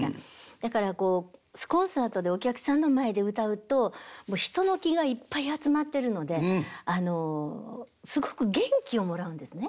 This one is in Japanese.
だからコンサートでお客さんの前で歌うと人の気がいっぱい集まってるのですごく元気をもらうんですね。